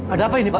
ada apa ini pak